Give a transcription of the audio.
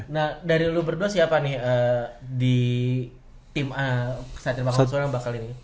nah dari lu berdua siapa nih di satria bangkonsol yang bakal ini